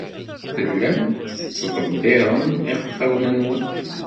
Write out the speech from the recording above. Tellam tettḍebbirem iɣfawen-nwen.